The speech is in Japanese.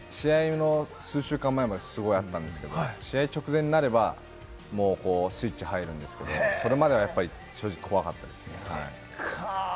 試合の数週間前まであったんですけれども、試合直前になれば、もうスイッチが入るんですけれども、それまではやっぱり、正直、怖かったです。